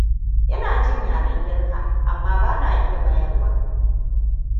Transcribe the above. Ina jin yaren Girka, amma bana iya mayarwa.